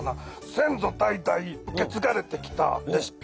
先祖代々受け継がれてきたレシピ？